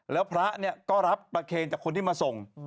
แล้วพระก็รับประเคนจากคนที่มาส่ง